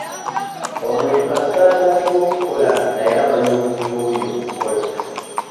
Omuntu kasita atandika okukola naye amanya obuzibu obuli mu kukola.